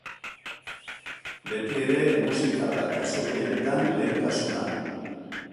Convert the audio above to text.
Beti ere, musika da, kasu gehienetan, lehentasuna.